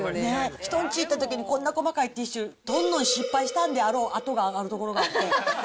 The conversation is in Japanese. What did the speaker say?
人んち行ったときに、こんな細かいティッシュ、とんの失敗したであろう跡がある所があって。